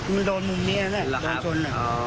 มันโดนมุมนี้โดนจน